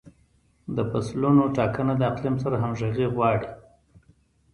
د فصلونو ټاکنه د اقلیم سره همغږي غواړي.